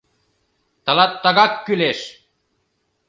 — Тылат тыгак кӱлеш!..